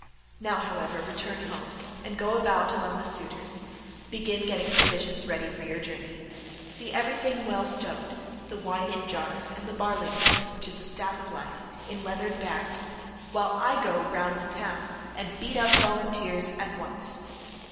Now, however, return home, and go about among the suitors; begin getting provisions ready for your voyage; see everything well stowed, the wine in jars, and the barley meal, which is the staff of life, in leathern bags, while I go round the town and beat up volunteers at once.